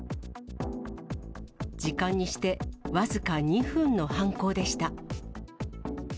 時間にして僅か２分の犯行でした。